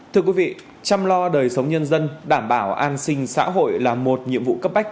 thưa quý vị chăm lo đời sống nhân dân đảm bảo an sinh xã hội là một nhiệm vụ cấp bách